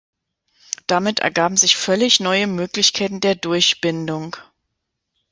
Damit ergaben sich völlig neue Möglichkeiten der Durchbindung.